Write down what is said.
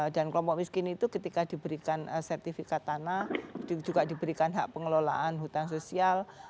dan kelompok miskin itu ketika diberikan sertifikat tanah juga diberikan hak pengelolaan hutan sosial